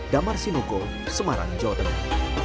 damar sinuko semarang jawa tengah